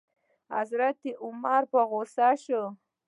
حضرت عمر په غوسه شو.